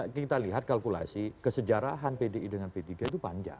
kita lihat kalkulasi kesejarahan pdi dengan p tiga itu panjang